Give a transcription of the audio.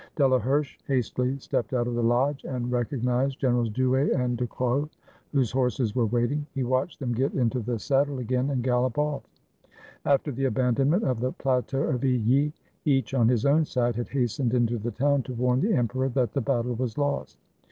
Delaherche hastily stepped out of the lodge and rec ognized Generals Douay and Ducrot, whose horses were waiting. He watched them get into the saddle again and gallop off. After the abandonment of the plateau of Illy, each, on his own side, had hastened into the town to warn the emperor that the battle was lost.